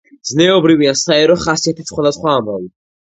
ზნეობრივი ან საერო ხასიათის სხვადასხვა ამბავი.